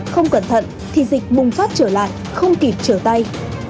không cẩn thận thì dịch bùng phát trở lại không kịp trở tay